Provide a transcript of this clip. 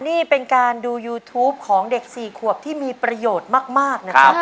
นี่เป็นการดูยูทูปของเด็ก๔ขวบที่มีประโยชน์มากนะครับ